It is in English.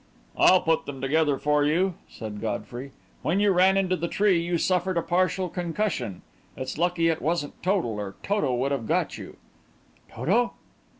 "I'll put them together for you," said Godfrey. "When you ran into the tree, you suffered a partial concussion. It's lucky it wasn't total, or Toto would have got you!" "Toto?"